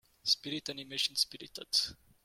Spirit animation Spirited.